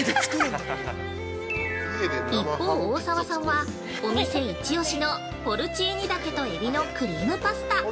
◆一方、大沢さんは、お店一押しのポルチーニ茸とエビのクリームパスタ！